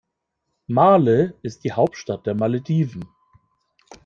Malé ist die Hauptstadt der Malediven.